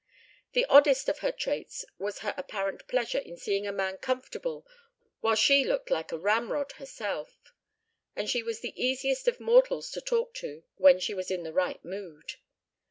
The oddest of her traits was her apparent pleasure in seeing a man comfortable while she looked like a ramrod herself; and she was the easiest of mortals to talk to when she was in the right mood.